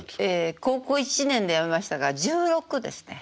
高校１年でやめましたから１６ですね。